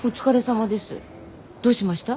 どうしました？